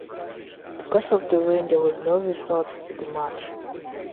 Because of the rain there was no result to the match.